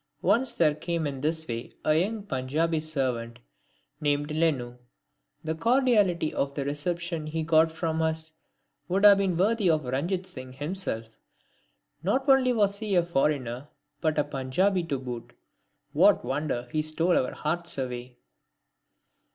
Once there came in this way a young Panjabi servant named Lenu. The cordiality of the reception he got from us would have been worthy of Ranjit Singh himself. Not only was he a foreigner, but a Panjabi to boot, what wonder he stole our hearts away?